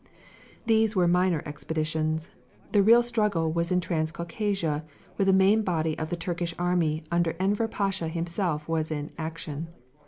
These were minor expeditions. The real struggle was in Transcaucasia, where the main body of the Turkish army under Enver Pasha himself was in action.